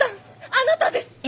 あなたです！